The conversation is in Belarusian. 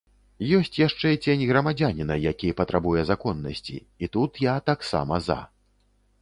Ёсць яшчэ цень грамадзяніна, які патрабуе законнасці, і тут я таксама за.